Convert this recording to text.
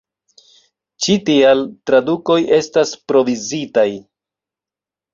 Ĉi tial, tradukoj estas provizitaj.